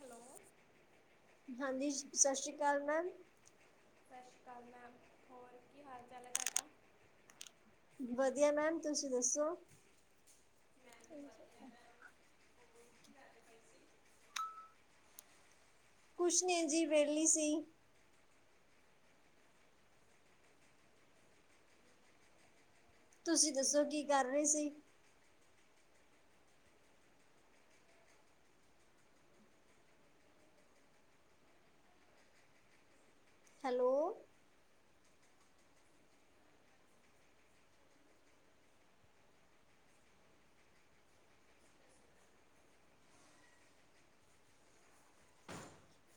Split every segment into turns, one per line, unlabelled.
Hello ਸਤਿ
ਹਾਂਜੀ ਸਤਿ ਸ੍ਰੀ ਅਕਾਲ ਮੈਮ,
ਸਤਿ ਸ਼੍ਰੀ ਅਕਾਲ ਮੈਮ ਹੋਰ ਕੀ ਹਾਲ ਚਾਲ ਐ ਤੁਹਾਡਾ?
ਵਧੀਆ ਮੈਮ, ਤੁਸੀਂ ਦੱਸੋ?
ਮੈਮ ਵਧੀਆ ਮੈਮ ਹੋਰ ਕੀ ਕਰਦੇ ਪਏ ਸੀ
ਕੁਝ ਨੀ ਜੀ ਵਿਹਲੀ ਸੀ। ਤੁਸੀਂ ਦੱਸੋ ਕੀ ਕਰ ਰਹੇ ਸੀ? ਹੈਲੋ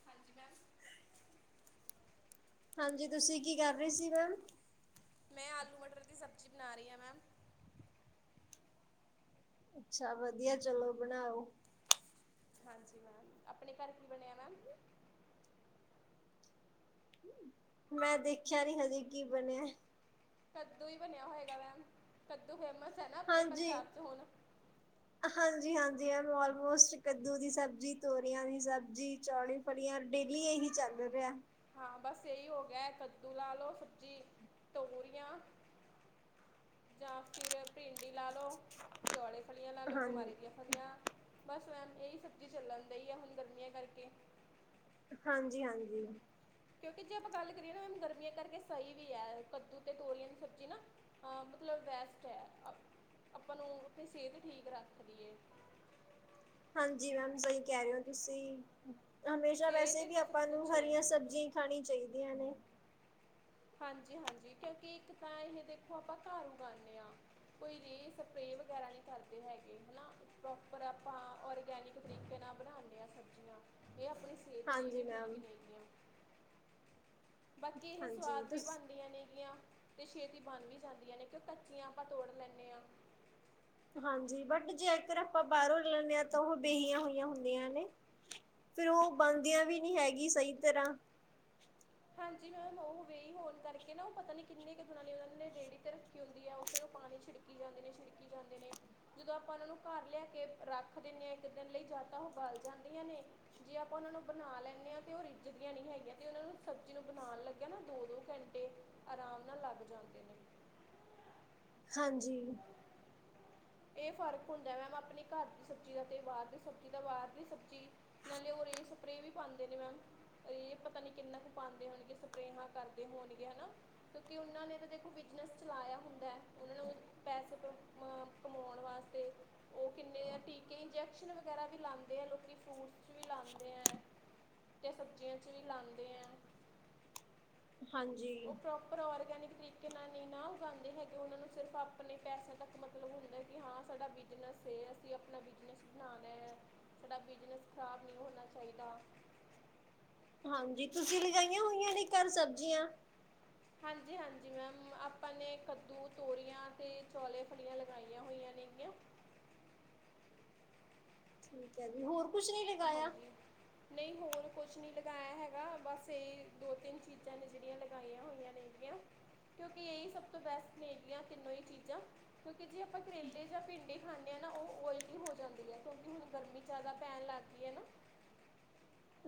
ਹਾਂਜੀ ਮੈਮ
ਹਾਂਜੀ ਤੁਸੀਂ ਕੀ ਕਰ ਰਹੇ ਸੀ ਮੈਮ
ਮੈਂ ਆਲੂ ਮਟਰ ਦੀ ਸਬਜ਼ੀ ਬਣਾ ਰਹੀ ਆ ਮੈਮ
ਅੱਛਾ ਵਧੀਆ ਚਲੋ ਬਣਾਓ
ਹਾਂਜੀ ਮੈਮ ਆਪਣੇ ਘਰ ਕੀ ਬਣਿਆ ਮੈਮ
ਮੈਂ ਦੇਖਿਆ ਨੀ ਹਜੇ ਕੀ ਬਣਿਆ
ਕੱਦੂ ਹੀ ਬਣਿਆ ਹੋਏਗਾ ਮੈਮ ਕੱਦੂ ਫੇਮਸ ਹੈ ਨਾ ਆਪਣੇ
ਹਾਂਜੀ
ਪੰਜਾਬ 'ਚ ਹੁਣ
ਹਾਂਜੀ ਹਾਂਜੀ ਆਲਮੋਸਟ ਕੱਦੂ ਦੀ ਸਬਜ਼ ਤੋਰੀਆਂ ਦੀ ਸਬਜ਼ੀ ਚੌਲੀ ਫਲੀਆਂ ਡੇਲੀ ਇਹੀ ਚੱਲਦਾ ਪਿਆ
ਹਾਂ ਬਸ ਇਹੀ ਹੋ ਗਿਆ ਕੱਦੂ ਲਾ ਲੋ ਸਬਜ਼ੀ ਤੋਰੀਆਂ ਜਾਂ ਫਿਰ ਭਿੰਡੀ ਲਾ ਲੋ ਚੌਲੇ ਫਲੀਆਂ ਲਾ ਲੋੋ
ਹਾਂ
ਗਮਾਰੇ ਦੀਆਂ ਫਲੀਆਂ ਬਸ ਮੈਮ ਇਹੀ ਸਬਜ਼ੀ ਚੱਲਣਦੀ ਆ ਹੁਣ ਗਰਮੀਆਂ ਕਰਕੇ
ਹਾਂਜੀ ਹਾਂਜੀ
ਕਿਉਂਕਿ ਜੇ ਆਪਾਂ ਗੱਲ ਕਰੀਏ ਨਾ ਗਰਮੀਆਂ ਕਰਕੇ ਸਹੀ ਵੀ ਹੈ ਕੱਦੂ ਅਤੇ ਤੋਰੀਆਂ ਦੀ ਸਬਜ਼ੀ ਨਾ ਮਤਲਬ ਬੈਸਟ ਹੈ ਆਪਾਂ ਨੂੰ ਸਿਹਤ ਵੀ ਠੀਕ ਰੱਖਦੀ ਹੈ
ਹਾਂਜੀ ਮੈਮ ਸਹੀ ਕਹਿ ਰਹੇ ਹੋ ਤੁਸੀਂ ਹਮੇਸ਼ਾ
ਸਿਹਤ
ਵੈਸੇ
ਤੇ
ਵੀ
ਸਭ
ਆਪਾਂ ਨੂੰ
ਕੁਛ ਏ
ਹਰੀਆਂ ਸਬਜ਼ੀਆਂ ਹੀ ਖਾਣੀ ਚਾਹੀਦੀ
ਹਾਂਜੀ ਹਾਂਜੀ ਕਿਉਂਕਿ ਇੱਕ ਤਾਂ ਇਹ ਦੇਖੋ ਆਪਾਂ ਘਰ ਉਗਾਉਂਦੇ ਹਾਂ ਕੋਈ ਸਪਰੇ ਵਗੈਰਾ ਨਹੀਂ ਕਰਦੇ ਹੈਗੇ ਹਨਾ ਪ੍ਰੋਪਰ ਆਪਾਂ ਔਰਗੈਨਿਕ ਤਰੀਕੇ ਨਾਲ ਬਨਾਣੇ ਹਾਂ ਸਬਜ਼ੀਆਂ ਇਹ ਆਪਣੀ ਸਿਹਤ ਲਈ
ਹਾਂਜੀ
ਵੀ
ਮੈਮ
ਠੀਕ ਨੇਗੀਆਂ ਬਾਕੀ ਇਹ
ਹਾਂਜੀ
ਸਵਾਦ ਵੀ
ਤੁਸ
ਬਣਦੀਆਂ ਨੇਗੀਆਂ ਤੇ ਛੇਤੀ ਬਣ ਵੀ ਜਾਂਦੀਆਂ ਨੇ ਕਿਉਂ ਕੱਚੀਆਂ ਆਪਾਂ ਤੋੜ ਲੈਂਦੇ ਹਾਂ
ਹਾਂਜੀ ਬਟ ਜੇਕਰ ਆਪਾਂ ਬਾਹਰੋਂ ਲੈਂਦੇ ਹਾਂ ਤਾਂ ਉਹ ਬੇਹੀਆਂ ਹੋਈਆਂ ਹੁੰਦੀਆਂ ਨੇ ਫੇਿਰ ਉਹ ਬਣਦੀਆਂ ਵੀ ਨਹੀਂੀ ਹੈਗੀ ਸਹੀ ਤਰ੍ਹਾਂ
ਹਾਂਜੀ ਮੈਮ ਉਹ ਵੇਹੀ ਹੋਣ ਕਰਕੇ ਨਾ ਉਹ ਪਤਾ ਨਹੀਂ ਕਿੰਨੇ ਕੁ ਗੁਣਾ ਨੇ ਉਹਨਾਂ ਨੇ ਰੇਹੜੀ ' ਰੱਖੀ ਹੁੰਦੀ ਹੈ ਉਸੇਨ ਨੂੰ ਪਾਣੀ ਛਿੜਕੀ ਜਾਂਦੇ ਨੇ ਛਿੜਕੀ ਜਾਂਦੇ ਨੇ ਜਦੋਂ ਆਪਾਂ ਉਹਨਾਂ ਨੂੰ ਘਰ ਲਿਆ ਕੇ ਰੱਖ ਦਿੰਦੇ ਹਾਂ ਇੱਕ ਦਿਨ ਲਈ ਜਾਂ ਤਾਂ ਉਹ ਬਲ ਜਾਂਦੀਆਂ ਨੇ ਜੇ ਆਪਾਂ ਉਹਨਾਂ ਨੂੰ ਬਣਾ ਲੈਂਦੇ ਹਾਂ ਤਾਂ ਉਹ ਰਿੱਝਦੀਆਂ ਨਹੀਂ ਹੈਗੀਆਂ ਤੇ ਉਹਨਾਂ ਨੂੰ ਸਬਜ਼ੀ ਨੂੰ ਬਣਾਉਣ ਲੱਗਿਆ ਨਾ ਦੋ ਦੋ ਘੰਟੇ ਆਰਾਮ ਨਾਲ ਲੱਗ ਜਾਂਦੇ ਨੇ
ਹਾਂਜੀ
ਫਰਕ ਹ ਮੈਮ ਆਪਣੇ ਘਰ ਦੀ ਸਬਜ਼ੀ ਦਾ ਤੇ ਬਾਹਰ ਦੀ ਸਬਜ਼ੀ ਦਾ ਬਾਹਰ ਦੀ ਸਬਜ਼ੀ ਨਾਲੇ ਉਹ ਸਪਰੇਅ ਵੀ ਪਾਉਂਦੇ ਨੇ ਮੈਮ ਪਤਾ ਨੀ ਕਿੰਨਾ ਕੁ ਪਾਉਂਦੇ ਹੋਣਗੇ ਸਪਰੇਹਾਂ ਕਰਦੇ ਹੋਣਗੇ ਹਨਾ ਕਿਉਂਕਿ ਉਹਨਾਂ ਨੇ ਤਾਂ ਦੇਖੋ ਬਿਜਨਸ ਚਲਾਇਆ ਹੁੰਦਾ ਉਹਨਾਂ ਨੂੰ ਪੈਸੇ ਕਮਾਉਣ ਵਾਸਤੇ ਉਹ ਕਿੰਨੇ ਆ ਟੀਕੇ ਇੰਜੈਕਸ਼ਨ ਵਗੈਰਾ ਵੀ ਲਾਉਂਦੇ ਆ ਲੋਕੀ ਫਰੂਟਸ ਚ ਵੀ ਲਾਉਂਦੇ ਹੈ ਤੇ ਸਬਜ਼ੀਆਂ ਚ ਵੀ ਲਾਉਂਦੇ ਹੈ
ਹਾਂਜੀ
ਉਹ ਪ੍ਰੋਪਰ ਔਰਗੈਨਿਕ ਤਰੀਕੇ ਨਾਲ ਨਹੀਂ ਨਾ ਉਗਾਉਂਦੇ ਹੈਗੇ ਉਹਨਾਂ ਨੂੰ ਸਿਰਫ਼ ਆਪਣੇ ਪੈਸਿਆਂ ਤੱਕ ਮਤਲਬ ਹੁੰਦਾ ਕਿ ਹਾਂ ਸਾਡਾ ਬਿਜ਼ਨਸ ਅਸੀਂ ਆਪਣਾ ਬਿਜਨਸ ਬਣਾਣਾ ਹੈ ਸਾਡਾ ਬਿਜਨਸ ਖ਼ਰਾਬ ਨਹੀਂ ਹੋਣਾ ਚਾਹੀਦਾ
ਹਾਂਜੀ ਤੁਸੀਂ ਲਗਾਈਆਂ ਹੋਈਆਂ ਨੇ ਘਰ ਸਬਜ਼ੀਆਂ
ਹਾਂਜੀ-ਹਾਂਜੀ ਮੈਮ ਆਪਾਂ ਨੇ ਕੱਦੂ ਤੋਰੀਆਂ ਅਤੇ ਚੌਲੇ ਫਲੀਆਂ ਲਗਾਈਆਂ ਹੋਈਆਂ ਨੇਗੀਆਂ
ਠੀਕ ਹੈ ਜੀ ਹੋਰ ਕੁਛ ਨੀ ਲਗਾਇਆ
ਹਾਂਜੀ ਨਹੀਂ ਹੋਰ ਕੁਛ ਕੁਛ ਨਹੀਂੀ ਲਗਾਇਆ ਹੈਗਾ ਬਸ ਇਹ ਦੋ ਤਿੰਨ ਚੀਜ਼ਾਂ ਨੇ ਜਿਹੜੀਆਂ ਲਗਾਈਆਂ ਹੋਈਆਂ ਨੇਲੀਆਂ ਕਿਉਂਕਿ ਇਹੀ ਸਭ ਤੋਂ ਬੈਸਟ ਨੇਲੀਆਂ ਤਿੰਨੋ ਹੀ ਚੀਜ਼ਾਂ ਕਿਉਂਕਿ ਜੇ ਆਪਾਂ ਕਰੇਲੇ ਜਾਂ ਭਿੰਡੇ ਖਾਂਦੇ ਹਾਂ ਨਾ ਉਹ ਓਇਲੀ ਹੋ ਜਾਂਦੀ ਹੈ ਕਿਉਂਕਿ ਹੁਣ ਗਰਮੀ ਜ਼ਿਆਦਾ ਪੈਣ ਲੱਗ ਗਈ ਹੈ ਨਾ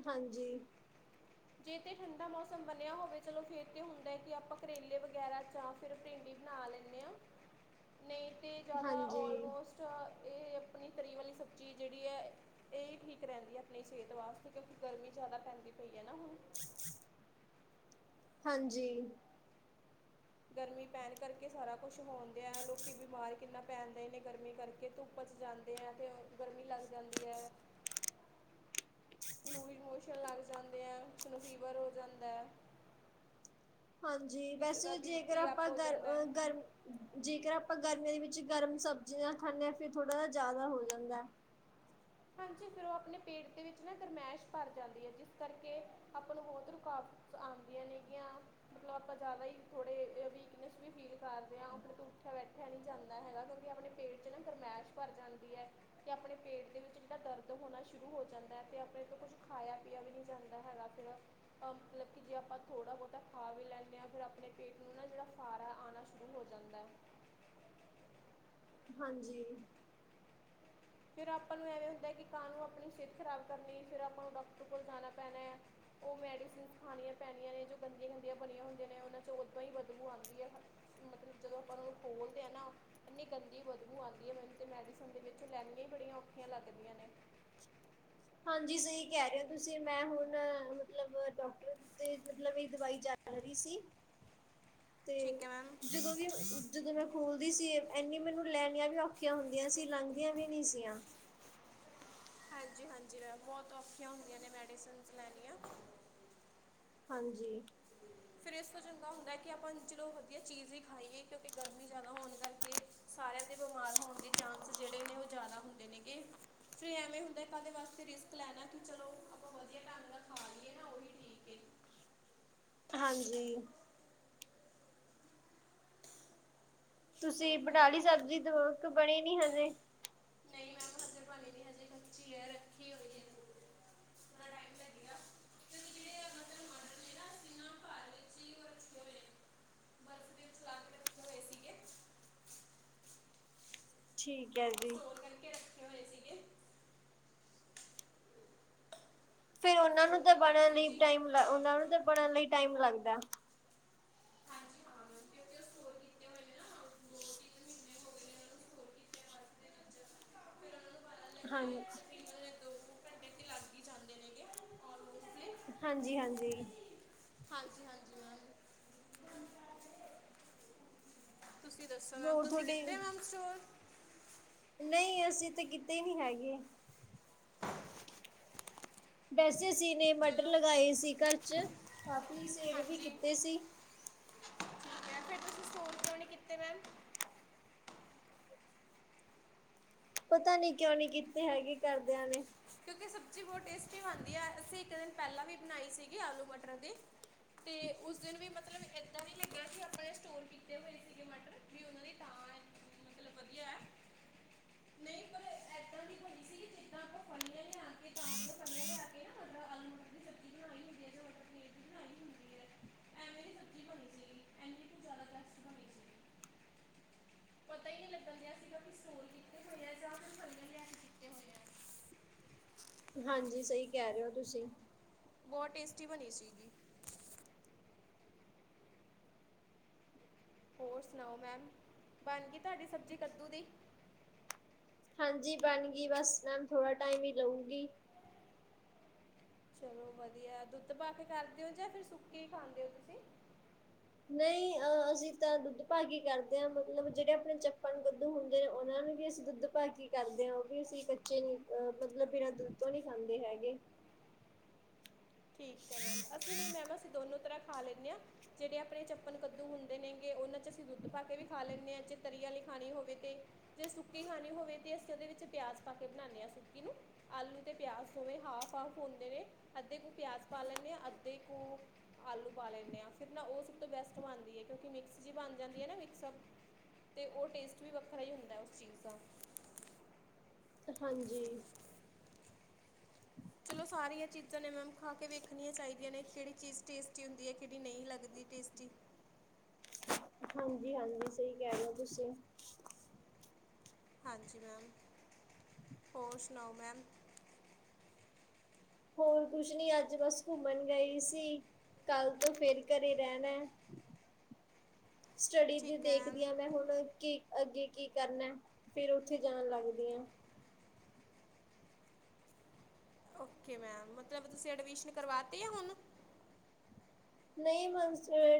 ਹਾਂਜੀ
ਜੇ ਤੇ ਠੰਢਾ ਮੌਸਮ ਬਣਿਆ ਹੋਵੇ ਚਲੋ ਫੇਰ ਤੇ ਹੁੰਦਾ ਕਿ ਆਪਾਂ ਕਰੇਲੇ ਵਗੈਰਾ ਜਾਂ ਫਿਰ ਭਿੰਡੀ ਬਣਾ ਲੈਂਦੇ ਹਾਂ ਨਹੀਂ ਅਤੇ ਜ਼ਿਆਦਾ
ਹਾਂਜੀ
ਔਲਮੋਸਟ ਇਹ ਆਪਣੀ ਤਰੀ ਵਾਲੀ ਸਬਜ਼ੀ ਜਿਹੜੀ ਹੈ ਇਹਹੀ ਠੀਕ ਰਹਿੰਦੀ ਹੈ ਆਪਣੀ ਸਿਹਤ ਵਾਸਤੇ ਕਿਉਂਕਿ ਗਰਮੀ ਜ਼ਿਆਦਾ ਪੈਂਦੀ ਪਈ ਸੀ
ਹਾਂਜੀ
ਗਰਮੀ ਪੈਣ ਕਰਕੇ ਸਾਰਾ ਕੁਛ ਹੋਉਂਦੇ ਹੈ ਲੋਕ ਬਿਮਾਰ ਕਿੰਨਾ ਪੈਣਦੇ ਨੇ ਗਰਮੀ ਕਰਕੇ ਧੁੱਪ ਚਚ ਜਾਂਦੇ ਹੈ ਤੇ ਗਰਮੀ ਲੱਗ ਜਾਂਦੀ ਹੈ ਲੂਜ਼ ਮੋਸ਼ਨ ਲੱਗ ਜਾਂਦੇ ਹੈ ਉਸਨੂੰ ਫੀਵਰ ਹੋ ਜਾਂਦਾ ਹੈ
ਹਾਂਜੀ ਵੈਸੇ ਜੇਕਰ ਆਪਾਂ
ਹੋ
ਗਰ
ਜਾਂਦਾ ਹੈ।
ਗਰਮ ਜੇਕਰ ਆਪਾਂ ਗਰਮੀੀਆਂ ਦੇ ਵਿੱਚ ਵਿੱਚ ਗਰਮ ਸਬਜ਼ੀਆਂ ਖਾਂਦੇ ਹਾਂ ਫਿਰ ਥੋੜਾ ਜ ਜ਼ਿਆਦਾ ਹੋ ਜਾਂਦਾ
ਹਾਂਜੀ ਫਿਰ ਉਹ ਆਪਣੇ ਪੇਟ ਦੇ ਵਿੱਚ ਨਾ ਗਰਮੈਸ਼ ਭਰ ਜਾਂਦੀ ਹੈ ਜਿਸ ਕਰਕੇ ਆਪਾਂ ਨੂੰ ਬਹੁਤ ਰੁਕਾਵਟ ਆਉਂਦੀਆਂ ਨੇਗੀਆਂ ਮਤਲਬ ਆਪਾਂ ਜ਼ਿਆਦਾ ਹੀ ਥੋੜੇ ਵੀਕਨਸ ਵੀ ਫੀਲ ਕਰਦੇ ਹਾਂ ਤ ਉੱਠਿਆ ਬੈਠਿਆ ਨਹੀਂੀ ਜਾਂਦਾ ਹੈਗਾ ਕਿਉਂਕਿ ਆਪਣੇ ਪੇਟ ਚ ਨਾ ਗਰਮੈਸ਼ ਭਰ ਜਾਂਦੀ ਹੈ ਤੇ ਆਪਣੇ ਪੇਟ ਦੇ ਵਿੱਚ ਤਾਂ ਦਰਦ ਹੋਣਾ ਸ਼ੁਰੂ ਹੋ ਜਾਂਦਾ ਹੈ ਤੇ ਆਪਣੇ ਤੋਂ ਕੁਝ ਖਾਇਆ ਪੀਆ ਵੀ ਨਹੀਂੀ ਜਾਂਦਾ ਹੈਗਾ ਫਿਰ ਅਹ ਮਤਲਬ ਕਿ ਜੇ ਆਪਾਂ ਥੋੜ੍ਹਾ ਬਹੁਤਾ ਖਾ ਵੀ ਲੈਂਦੇ ਹਾਂ ਫਿਰ ਆਪਣੇ ਪੇਟ ਨੂੰ ਨਾ ਜਿਹੜਾ ਫਾਰਾ ਆਉਣਾ ਸ਼ੁਰੂ ਹੋ ਜਾਂਦਾ ਹੈ
ਹਾਂਜੀ
ਫਿਰ ਆਪਾਂ ਨੂੰ ਐਵੇਂ ਹੁੰਦਾ ਹੈ ਕਿ ਕਾਂ ਨੂੰ ਆਪਣੀ ਸਿਹਤ ਖ਼ਰਾਬ ਕਰਨੀ ਫਿਰ ਆਪਾਂ ਨੂੰ ਡਾਕਟਰ ਕੋਲ ਜਾਣਾ ਪੈਣਾ ਹੈ ਉਹ ਮੈਡੀਸਨ ਖਾਣੀਆਂ ਪੈਣੀਆਂ ਨੇ ਜੋ ਗੰਦੀਆਂ ਗੰਦੀਆਂ ਬਣੀਆਂ ਹੁੰਦੀਆਂ ਨੇ ਉਹਨਾਂ ਚੋਂ ਉਓਦੋਂ ਹੀ ਵਧਬੂ ਆਉਂਦੀ ਹੈ ਮਤਲਬ ਜਦੋਂ ਆਪਾਂ ਉਹ ਨੂੰ ਖੋਲਦੇ ਹਾਂ ਨਾ ਇੰਨੀ ਗੰਦੀ ਵਧਬੂ ਆਉਂਦੀ ਹੈ ਮੈਨੂੰ ਤੇ ਮੈਡੀਸਨ ਦੇ ਵਿੱਚ ਲੈ ਬੜੀਆਂ ਔਖੀਆਂ ਲੱਗਦੀਆਂ ਨੇ
ਹਾਂਜੀ ਸਹੀ ਕਹਿ ਰਹੇ ਹੋ ਤੁਸੀਂ ਮੈਂ ਹੁਣ ਮਤਲਬ ਡਾਕਟਰ ਤੇ ਮਤਲਬ ਇਹ ਦਵਾਈ ਜਾ ਰਹੀ ਸੀ ਤੇ
ਠੀਕ ਹੈ ਮੈਮ
ਜਦੋਂ ਵੀ ਜਦੋਂ ਮੈਂ ਖੂਲਦੀ ਸੀ ਇੰਨੀ ਮੈਨੂੰ ਲੈਣੀਆਂ ਵੀ ਔਖੀਆਂ ਹੁੰਦੀਆਂ ਸੀ ਲੰਘਦੀਆਂ ਵੀ ਨੀ ਸੀੀਆਂ
ਹਾਂਜੀ-ਹਾਂਜੀ ਮੈਮ ਬਹੁਤ ਔਖੀਆਂ ਹੁੰਦੀਆਂ ਨੇ ਮੈਡੀਸਨਸ ਲੈਣੀਆਂ
ਹਾਂਜੀ
ਫਿਰ ਇਸ ਤੋਂ ਚੰਗਾ ਹੁੰਦਾ ਹੈ ਕਿ ਆਪਾਂ ਚਲੋ ਵਧੀਆ ਚੀਜ਼ ਹੀ ਖਾਈਏ ਕਿਉਂਕਿ ਗਰਮੀ ਜ਼ਿਆਦਾ ਹੋਣ ਕਰਕੇ ਸਾਰਿਆਂ ਦੇ ਬਿਮਾਰ ਹੋਣ ਦੇ ਚਾਂਸ ਜਿਹੜੇ ਨੇ ਉਹ ਜ਼ਿਆਦਾੁੰ ਨੇ ਫਿਰ ਐਵੇਂ ਹੁੰਦਾ ਕਦੇ ਵਾਸਤੇ ਰਿਸਕ ਲੈਣਾ ਕਿ ਚਲੋ ਆਪਾਂ ਵਧੀਆ ਤੰਗ ਨਾਲ ਖਾ ਲਈਏ ਨਾ ਉਹੀ ਠੀਕ
ਹਾਂਜੀ
ਹੋਰ
ਤੁਸੀਂ
ਮੈਮ
ਬਨੀ
ਦੱਸੋ
ਸਬਜ਼ੀ ਤੋਂ ਬਣੇ ਨੀ ਹਜੇ
ਸ਼ੀਅ ਰੱਖੀ ਹੋਈ ਹੈ ਥੋੜਾ ਟਾਈਮ ਲੱਗੇਗਾ ਕਿਉਂਕਿ ਜਿਹੜੇ ਮਤਲਬ ਮਟਰ ਨੇ ਨਾ ਅਸੀਂ ਨਾ ਘਰ ਵਿੱਚ ਹੀ ਉਹ ਰੱਖੇ ਹੋਏ ਨੇ ਬਰਫ ਦੇ ਵਿੱਚ ਲਾ ਕੇ ਰੱਖੇ ਹੋਏ ਸੀਗੇ
ਠੀਕ ਹੈ ਜੀ
ਸਟੋਰ ਕਰਕੇ ਰੱਖੇ ਹੋਏ ਸੀਗੇ
ਫਿਰ ਉਹਨਾ ਨੂੰ
ਸਟੋਰ ਕੀਤੇ ਦੀ
ਬਣਨ ਲਈ
ਸਬਜ਼ੀ
ਉਹ ਨੂੰ ਬਣਨ ਲਈ ਟਮ ਲਗਦਾ
ਹਾਂਜੀ ਹਾਂ ਮੈਮ ਕਿਉਂਕਿ ਉਹ ਸਟੋਰ ਕੀਤੇ ਹੋਏ ਨੇ ਨਾ ਦੋ ਤਿੰਨ ਮਹੀਨੇ ਹੋ ਗਏ ਨੇ ਉਹਨਾਂ ਨੂੰ ਸਟੋਰ ਕੀਤੇ ਬਰਫ ਦੇ ਵਿੱਚ ਫਿਰ ਉਹਨਾਂ ਨੂੰ ਪਤਾ ਲੱਗਿਆ
ਹਾਂਜੀ
ਇਹ ਤਕਰੀਬਨ ਦੋ ਘੰਟੇ ਤੇ ਲੱਗ ਹੀ ਜਾਂਦੇ ਨੇਗੇ ਆਲਮੋਸਟਲੀ
ਹਾਂਜੀ ਹਾਂਜੀ।
ਹਾਂਜੀ ਹਾਂਜੀ ਮ ਤੁਸੀਂ ਦੱਸੋ ਮੈਮ
ਹੋਰ
ਤੁਸੀਂ
ਤੁਹਾਡੇ
ਕਿੱਥੇ ਮੈਮ ਸਟੋਰ
ਨਹੀਂ ਅਸੀਂ ਤਾਂ ਕੀਤੇ ਨੀ ਹੈਗੇ ਬੈਸੇ ਸੀਨੇ ਮਟਰ
ਚਲੋ
ਲਗਾਏ ਸੀ ਘਰ ਚ ਕਾਫੀ ਸੇਵ ਵੀ
ਹਾਂਜੀ
ਕੀਤੇ ਸੀ
ਠੀਕ ਹੈ ਫਿਰ ਤੁਸੀਂ ਸਟੋਰ ਕਿਉਂ ਨਹੀਂ ਕੀਤੇ ਮੈਮ
ਪਤਾ ਨੀ ਕਿਉਂ ਨੀ ਕੀਤੇ ਹੈਗੇ ਕਰਦਿਆਂ ਨੇ।
ਸਬਜ਼ੀ ਬਹੁਤ ਟੇਸਟੀ ਬਣਦੀ ਹੈ ਅਸੀਂ ਇੱਕ ਦਿਨ ਪਹਿਲਾਂ ਵੀ ਬਣਾਈ ਸੀਗੀ ਆਲੂ ਮਟਰ ਦੀ ਤੇ ਉਸ ਦਿਨ ਵੀ ਮਤਲਬ ਦਾਂ ਵੀ ਲਗਿਆ ਸੀ ਆਪਣੇ ਸਟੋਰ ਕੀਤੇ ਹੋਏ ਸੀਗੇ ਮਟਰ ਮਤਲਬ ਵਧੀਆ ਨਹੀਂ ਪਰਦਾਂ ਦੀ ਜ
ਥੀ ਥ੍ਰੀ।
ਮਤਲਬ ਆਲੂ ਮਟਰ ਦੀ ਸਬਜ਼ੀ ਬਣਾਈ ਹੁੰਦੀ ਹੈ ਜਾਂ ਮਟਰ ਪਨੀਰ ਦੀ ਬਣਾਈ ਹੁੰਦੀ ਹੈ ਐਵੇਂ ਦੀ ਸਬਜ਼ੀ ਬਣੀ ਸੀਗੀ ਐਨੀ ਕੁ ਜ਼ਿਆਦਾ ਟੈਸਟ ਬਣੀ ਸੀਗੀ ਪਤਾ ਹੀ ਨਹੀਂ ਲੱਗਾ ਗਿਆ ਸੀਗਾ ਕਿ ਸੋਰ ਕੀਤੇ ਹੋਏ ਆ ਜਾਂ ਫਿਰ ਲੈਨ ਕੀਤੇ ਹੋਏ ਹੈ।
ਹਾਂਜੀ ਸਹੀ ਕਹਿ ਰਹੇ ਹੋ ਤੁਸੀਂ
ਬਹੁਤ ਟੇਸਟੀ ਬਣੀ ਸੀਗੀ। ਹੋਰ ਸੁਣਾਓ ਮੈਮ ਬਣ ਗਈ ਤੁਹਾਡੀ ਸਬਜ਼ੀ ਕੱਦੂ ਦੀ
ਹਾਂਜੀ ਬਣ ਗਈ ਬਸ ਮੈਮ ਥੋੜਾ ਟਾਈਮ ਹੀ ਲਊਗੀ।
ਚਲੋ ਵਧੀਆ ਦੁੱਧ ਪਾ ਕੇ ਕਰਦੇ ਹੋ ਜਾਂ ਫਿਰ ਸੁੱਕੀ ਖਾਂਦੇ ਹੋ ਤੁਸੀਂ
ਨਹੀਂ ਅਹ ਅਸੀਂ ਤਾਂ ਦੁੱਧ ਭਾਗੀ ਕਰਦੇ ਹਾਂ ਮਤਲਬ ਜਿਹੜੇ ਆਪਣੇ ਚੱਪਣ ਕੱਦੂ ਹੁੰਦੇ ਨੇ ਉਹਨਾਂ ਨੂੰ ਵੀ ਅਸੀਂ ਦੁੱਧ ਭਾਗੀ ਕਰਦੇ ਹਾਂ ਉਹ ਵੀ ਅਸੀਂ ਕੱਚੇ ਨੀ ਅਹ ਮਤਲਬ ਬਿਨਾਂ ਦੁੱਧ ਤੋਂ ਨਹੀਂ ਖਾਂਦੇ ਹੈਗੇ।
ਠੀਕ ਹੈ ਮੈਮ ਅਸੀਂ ਨਹੀਂ ਮੈਮ ਅਸੀਂ ਦੋਨੋ ਤਰ੍ਹਾਂ ਖਾ ਲੈਂਦੇ ਹਾਂ ਜਿਹੜੇ ਆਪਣੇ ਚੱਪਣ ਕੱਦੂ ਹੁੰਦੇ ਨੇਗੇ ਉਹਨਾਂ ਚ ਅਸੀਂ ਦੁੱਧ ਪਾ ਕੇ ਵੀ ਖਾ ਲੈਂਦੇ ਹਾਂ ਜੇ ਤਰੀ ਵਾਲੀ ਖਾਣੀ ਹੋਵੇ ਤੇ ਜੇ ਸੁੱਕੀ ਖਾਣੀ ਹੋਵੇ ਤੇ ਅਸੀਂ ਉਹਦੇ ਵਿੱਚ ਪਿਆਜ ਪਾ ਕੇ ਬਣਾਉਦੇ ਹਾਂ ਸੁੱਕੀ ਨੂੰ ਆਲੂ ਤੇ ਪਿਆਜ ਹੋਵੇ ਹਾਫ ਹਾਫ ਹੁੰਦੇ ਨੇ ਅੱਧੇ ਕੁ ਪਿਆਜ਼ ਪਾ ਲੈਂਦੇ ਹਾਂ ਅੱਧੇ ਕੁ ਆਲੂ ਪਾ ਲੈਂਦੇ ਹਾਂ ਫਿਰ ਨਾ ਉਹ ਸਭ ਤੋਂ ਬੈਸਟ ਬਣਦੀ ਹੈ ਕਿਉਂਕਿ ਮਿਕਸ ਜਿ ਬਣ ਜਾਂਦੀ ਹੈ ਨਾ ਮਿਕਸਪ ਤੇ ਉਹ ਟੇਸਟ ਵੀ ਵੱਖਰਾ ਹੀ ਹੁੰਦਾ ਉਸ ਚੀਜ਼ ਦਾ
ਹਾਂਜੀ।
ਚਲੋ ਸਾਰੀਆਂ ਚੀਜ਼ਾਂ ਨੇ ਮੈਮ ਖਾ ਕੇ ਵੇਖਣੀਆਂ ਚਾਹੀਦੀਆਂ ਨੇ ਕਿਹੜੀ ਚੀਜ਼ ਟੇਸਟੀ ਹੁੰਦੀ ਹੈ ਕਿਹੜੀ ਨਹੀਂ ਲੱਗਦੀ ਟੇਸਟੀ।
ਹਾਂਜੀ ਹਾਂਜੀ ਸਹੀ ਕਹਿ ਰਹੇ ਹੋ ਤੁਸੀਂ
ਹਾਂਜੀ ਮੈਮ ਹੋਰ ਸੁਣਾਓ ਮੈਮ?
ਹੋਰ ਕੁਛ ਨੀ ਅੱਜ ਬਸ ਘੁੰਮਣ ਗਈ ਸੀ ਕੱਲ੍ਹ ਤੋਂ ਫਿਰ ਘਰੇ ਰਹਿਣਾ। ਸਟੱਡੀ ਦੀ
ਠੀਕ ਹੈ
ਦੇਖਦੀ
ਮੈਮ
ਹਾਂ ਮੈਂ ਹੁਣ ਕੀ ਅੱਗੇ ਕੀ ਕਰਨਾ ਫੇਰ ਉੱਥੇ ਜਾਣ ਲੱਗਦੀ ਹ।
ਓ ਮੈਮ ਮਤਲਬ ਤੁਸੀਂ ਐਡਮਿਸ਼ਨ ਕਰਵਾਤੇ ਆ ਹੁਣ
ਨਹੀਂ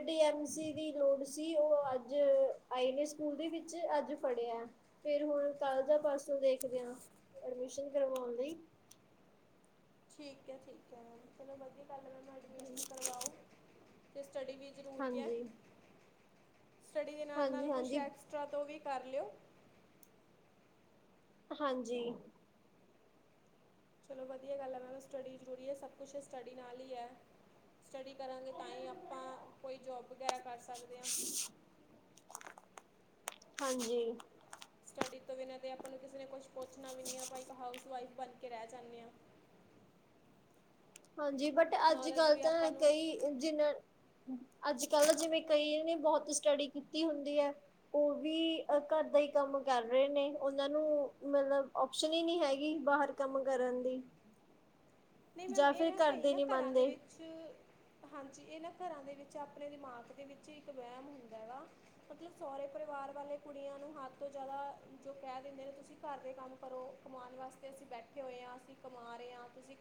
ਡੀਮ ਸੀ ਦੀ ਲੋੜ ਸੀ ਉਹ ਅੱਜ ਆਏ ਨੇ ਸਕੂਲ ਦੇ ਵਿੱਚ ਅੱਜ ਫੜਿਆ ਫਿਰ ਹੁਣ ਕਾਲਜਾਂ ਪਾਸੋਂ ਦੇਖਦਿਆਂ ਐਡਮਿਸ਼ਨ ਕਰਵਾਉਣ ਲਈ।
ਠੀਕ ਹੈ ਠੀਕ ਹੈ ਮੈ ਚਲੋ ਵਗੇ। ਪਲ ਮ ਐਡਮਿਸ਼ਨ ਕਰਵਾਓ। ਤੇ ਸਟੱਡੀ ਵੀ ਜ਼ਰੂਰੀ ਹੈ।
ਹਾਂਜੀ
ਸਟੱਡੀ ਦੇ ਨਾਲ ਨਾਲ
ਹਾਂਜੀ
ਕੁਛ
ਹਾਂਜੀ
ਐਕਸਟਰਾ ਤੋਂ ਵੀ ਪਰ ਲਓ
ਹਾਂਜੀ।
ਚਲੋ ਵਧੀਆ ਗੱਲ ਹੈ ਮਨ ਸਟੱਡੀ ਜ਼ਰੂਰੀ ਹੈ ਸਭ ਕੁਛ ਸਟੱਡੀ ਨਾਲ ਹੀ ਹੈ। ਸਟੱਡੀ ਕਰਾਂਗੇ ਤਾਂ ਹੀ ਆਪਾਂ ਕੋਈ ਜੋਬ ਵਗੈਰਾ ਕਰ ਸਕਦੇ ਹਾਂ।
ਹਾਂਜੀ।
ਤੋਂ ਬਿਨਾਂ ਆਪਾਂ ਨੂੰ ਕਿਸੇ ਨੇ ਕੁਛ ਸੋਚਣਾ ਵੀ ਨਹੀਂ ਹੈ ਆਪਾਂ ਇੱਕ ਹਾਊਸ ਵਾਈਫ ਬਣ ਕੇ ਰਹਿ ਜਾਂਦੇ ਹਾਂ।
ਹਾਂਜੀ ਬਟ ਅੱਜ
ਨੌਲੇਜ
ਕੱਲ੍ਹ
ਵੀ
ਤਾਂ
ਆਪਾਂ ਨੂੰ
ਕਈ ਜਿਨਾਂ ਅੱਜ ਕਲ ਜਿਵੇਂ ਕਈਆ ਨੇ ਬਹੁਤ ਸਟੱਡੀ ਕੀਤੀ ਹੁੰਦੀ ਹੈ ਉਹ ਵੀ ਘਰ ਦਾ ਹੀ ਕੰਮ ਕਰ ਰਹੇ ਨੇ ਉਹਨਾ ਨੂੰ ਮਤਲਬ ਓਪਸ਼ਨ ਹੀ ਨੀ ਹੈਗੀ ਬਾਹਰ ਕੰਮ ਕਰਨ ਦੀ
ਨਹੀਂ ਮੈਮ
ਜਾਂ
ਇਹ
ਫਿਰ
ਨਾ ਕਈ
ਕਰਦੇ
ਨਾ
ਨੀ
ਘਰਾਂ ਦੇ
ਮੰਨਦੇ।
ਵਿੱਚ ਹਾਂਜੀ ਇਹ ਨਾ ਘਰਾਂ ਦੇ ਵਿੱਚ ਆਪਣੇ ਦਿਮਾਗ ਦੇ ਵਿੱਚ ਇੱਕ ਵਹਿਮ ਹੁੰਦਾ ਵਾ ਮਤਲਬ ਸਹੁਰੇ ਪਰਿਵਾਰ ਵਾਲੇ ਕੁੜੀਆਂ ਨੂੰ ਹੱਦ ਤੋਂ ਜ਼ਿਆਦਾ ਜੋ ਕਹਿ ਦਿੰਦੇ ਨੇ ਤੁਸੀਂ ਘਰ ਦੇ ਕੰਮ ਕਰੋ ਕਮਾਉਣ ਵਾਸਤੇ ਅਸੀਂ ਬੈਠੇ ਹੋਏ ਹਾਂ ਅਸੀਂ ਕਮਾ ਰਹੇ ਹਾਂ ਤੁਸੀਂ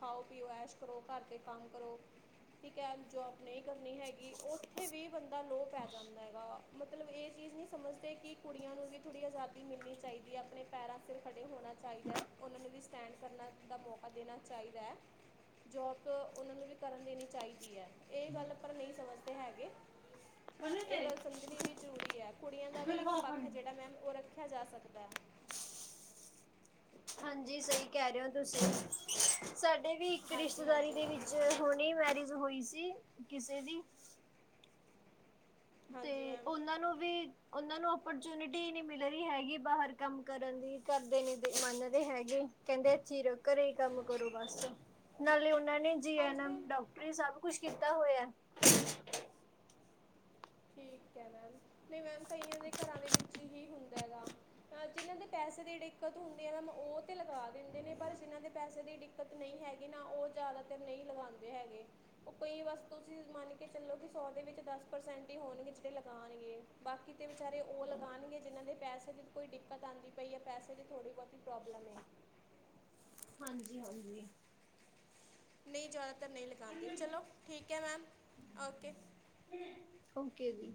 ਖਾਓ ਪੀਓ ਐਸ਼ ਕਰੋ ਘਰ ਦੇ ਕੰਮ ਕਰੋ ਠੀਕ ਹੈ ਜੋਬ ਨਹੀਂ ਕਰਨੀ ਹੈਗੀ ਉੱਥੇ ਵੀ ਬੰਦਾ ਲੋਅ ਪੈ ਜਾਂਦਾ ਐਗਾ ਮਤਲਬ ਇਹ ਚੀਜ਼ ਨਹੀਂ ਸਮਝਦੇ ਕਿ ਕੁੜੀਆਂ ਨੂੰ ਵੀ ਥੋੜ੍ਹੀ ਆਜ਼ਾਦੀ ਮਿਲਣੀ ਚਾਹੀਦੀ ਏ ਆਪਣੇ ਪੈਰਾਂ ਸਿਰ ਖੜੇ ਹੋਣਾ ਚਾਹੀਦਾ ਉਹਨਾਂ ਨੂੰ ਵੀ ਸਟੈਂਡ ਕਰਨਾ ਦਾ ਮੌਕਾ ਦੇਣਾ ਚਾਹੀਦਾ ਹੈ ਜੋਬ ਉਹਨਾਂ ਨੂੰ ਵੀ ਕਰਨ ਦੇਣੀ ਚਾਹੀਦੀ ਹੈ ਇਹ ਗੱਲ ਪਰ ਨਹੀਂ ਸਮਝਦੇ ਹੈਗੇ ਇਹ ਗੱਲ ਸਮਝਣੀ ਵੀ ਜ਼ਰੂਰੀ ਹੈ ਕੁੜੀਆਂ ਦਾ ਵੀ ਇੱਕ ਪੱਖ ਜਿਹੜਾ ਮੈਮ ਉਹ ਰੱਖਿਆ ਰੱਖਿਆ ਜਾ ਸਕਦਾ ਹੈ
ਹਾਂਜੀ ਸਹੀ ਕਹਿ ਰਹੇ ਹੋ ਤੁਸੀਂ ਸਾਡੇ ਵੀ ਇੱਕ
ਹਾਂਜੀ
ਰਿਸ਼ਤੇਦਾਰੀ
ਹਾਂਜੀ
ਦੇ
ਮੈਮ
ਵਿੱਚ ਹੁਣੇ ਮੈਰਿਜ ਹੋਈ ਸੀ ਕਿਸੇ ਦੀ ਤੇ
ਹਾਂਜੀ ਮੈਮ
ਉਹਨਾਂ ਨੂੰ ਵੀ ਉਹਨਾਂ ਨੂੰ ਓਪਰਚਿਓਨਟੀ ਨੀ ਮਿਲ ਰਹੀ ਹੈਗੀ ਬਾਹਰ ਕੰਮ ਕਰਨ ਦੀ ਘਰਦੇ ਨੀ ਮੰਨਦੇ ਹੈਗੇ ਕਹਿੰਦੇ ਇੱਥੇ ਰਹੋ ਘਰੇ ਕੰਮ ਕਰੋ ਬਸ ਨਾਲੇ ਨਾਲੇ ਜੀ ਐਨ
ਹਾਂਜੀ
ਐਮ
ਮੈਮ
ਡਾਕਟਰੀ ਸਭ ਸਭ‌ ਕੁਛ ਕੀਤਾ ਹੋਇਆ
ਠੀਕ ਹੈ ਮੈਮ ਨਹੀਂ ਮੈਮ ਕਈਆਂ ਦੇ ਘਰਾਂ ਦੇ ਵਿੱਚ ਹੀ ਹੁੰਦਾ ਹੈਗਾ ਜਿਹਨਾਂ ਦੇ ਪੈਸੇ ਦੀ ਦਿੱਕਤ ਹੁੰਦੀ ਹੈ ਮੈਮ ਉਹ ਤੇ ਲਗਾ ਦਿੰਦੇ ਨੇ ਪਰ ਜਿਹਨਾਂ ਦੇ ਪੈਸੇ ਦੀ ਦਿੱਕਤ ਨਹੀਂ ਹੈਗੀ ਨਾ ਉਹ ਜ਼ਿਆਦਾਤਰ ਨਹੀਂ ਲਗਾਦੇ ਹੈਗੇ ਉਹ ਕਈ ਬਸ ਤੁਸੀਂ ਮੰਨ ਕੇ ਚਲੋ ਕਿ ਸੌ ਦੇ ਵਿੱਚ ਦਸ ਪਰਸੈਂਟ ਹੋਣਗੇ ਜਿਹੜੇ ਲਗਾਣਗੇ ਬਾਕੀ ਤਾਂ ਵਿਚਾਰੇ ਉਹ ਲਗਾਣਗੇ ਜਿਨ੍ਹਾਂ ਦੇ ਪੈਸੇ ਕੋਈ ਦਿੱਕਤ ਆਦੀ ਪਈ ਏ ਪੈਸੇ ਦੀ ਥੋੜ੍ਹੀ ਬਹੁਤੀ ਪ੍ਰੋਬਲਮ ਹੈ
ਹਾਂਜੀ, ਹਾਂਜੀ
ਨਹੀਂ ਜਾਣਾ ਤਾਂ ਨਹੀਂ ਲਗਾਂਦੇ ਚਲੋ ਠੀਕ ਹੈ ਮੈਮ ਓਕੇ
ਓਕੇ ਜੀ